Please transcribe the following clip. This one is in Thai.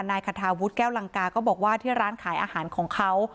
นายคาทาวุฒิแก้วลังกาก็บอกว่าที่ร้านขายอาหารของเขา